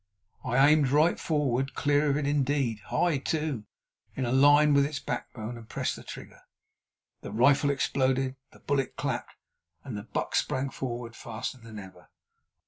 I aimed right forward—clear of it, indeed—high too, in a line with its backbone, and pressed the trigger. The rifle exploded, the bullet clapped, and the buck sprang forward faster than ever.